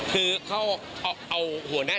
พี่คุยกับใครได้ยังครับ